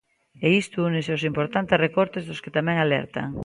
E isto únese aos importantes recortes dos que tamén alertan.